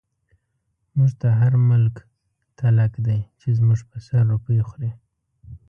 موږ ته هر ملک تلک دی، چی زموږ په سر روپۍ خوری